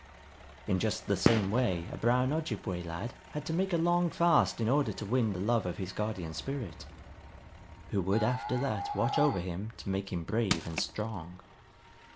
In just the same way a brown Ojibway lad had to make a long fast in order to win the love of his Guardian Spirit, who would after that watch over him to make him brave and strong.